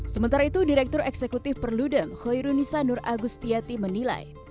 sementara itu direktur eksekutif perludem hoirunisa nur agustiati menilai